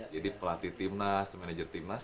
jadi pelatih timnas manajer timnas